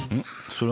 それ。